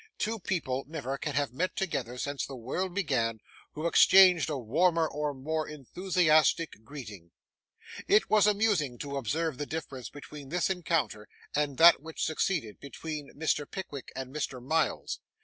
Two people never can have met together since the world began, who exchanged a warmer or more enthusiastic greeting. It was amusing to observe the difference between this encounter and that which succeeded, between Mr. Pickwick and Mr. Miles.